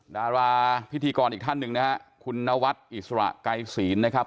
ดาราพิธีกรอีกท่านหนึ่งนะฮะคุณนวัดอิสระไกรศีลนะครับ